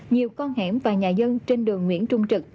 nhiều con hẻm và nhà dân trên đường nguyễn trung trực